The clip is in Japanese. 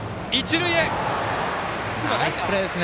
ナイスプレーです。